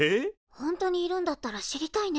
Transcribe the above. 本当にいるんだったら知りたいね